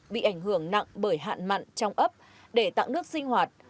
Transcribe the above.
bị ảnh hưởng nặng bởi hạn mặn trong ấp để tặng nước sinh hoạt